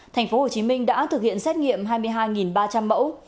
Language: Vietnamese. tp hcm đã thực hiện xét nghiệm hai mươi hai ba trăm linh mẫu